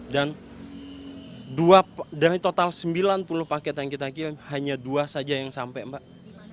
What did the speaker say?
dan dari total sembilan puluh paket yang kita kirim hanya dua saja yang sampai mbak